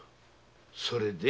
それで？